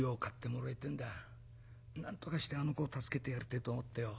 なんとかしてあの子を助けてやりてえと思ってよ。